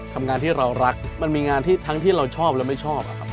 ทำงานที่เรารักมันมีงานที่ทั้งที่เราชอบและไม่ชอบอะครับ